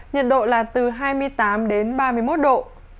nhiệt độ là từ hai mươi tám đến ba mươi một độ